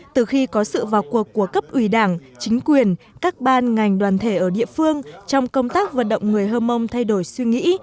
từ khi có sự vào cuộc của cấp ủy đảng chính quyền các ban ngành đoàn thể ở địa phương trong công tác vận động người hơ mông thay đổi suy nghĩ